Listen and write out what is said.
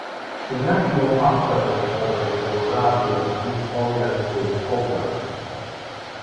The National Park Service offers a variety of youth oriented programs.